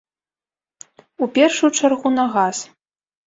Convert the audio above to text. У першую чаргу на газ.